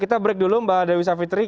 kita break dulu mbak dewi savitri